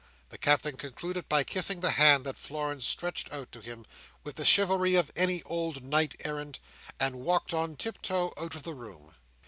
The Captain concluded by kissing the hand that Florence stretched out to him, with the chivalry of any old knight errant, and walking on tiptoe out of the room.